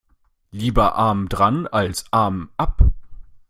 Lieber arm dran als Arm ab.